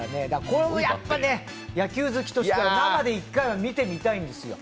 これもやっぱり、野球好きとしては生で一回は見てみたいんですよ。